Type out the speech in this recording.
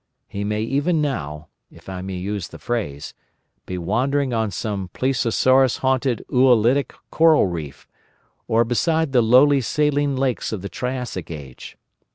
He may even now—if I may use the phrase—be wandering on some plesiosaurus haunted Oolitic coral reef, or beside the lonely saline seas of the Triassic Age.